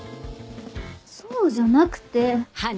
そうじゃなくて。